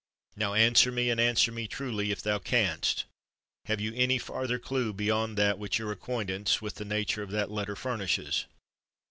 Now, answer me—and answer me truly, if thou canst,—have you any farther clue beyond that which your acquaintance with the nature of that letter furnishes?"